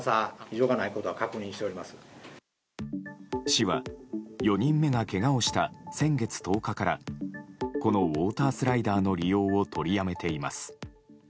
市は４人目がけがをした先月１０日からこのウォータースライダーの利用を取りやめています。